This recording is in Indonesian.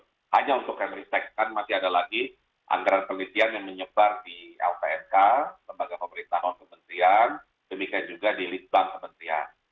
hanya untuk yang respect kan masih ada lagi anggaran penelitian yang menyebar di lpnk lembaga pemerintahan pemerintian demikian juga di list bank pemerintian